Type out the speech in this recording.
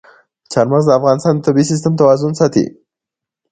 چار مغز د افغانستان د طبعي سیسټم توازن ساتي.